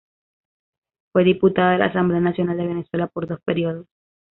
Fue diputada de la Asamblea Nacional de Venezuela por dos periodos.